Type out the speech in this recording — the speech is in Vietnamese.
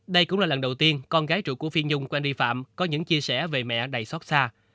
đây cũng là lần đầu tiên con gái trụ của phi nhung quang ri phạm có những chia sẻ về mẹ đầy sót xa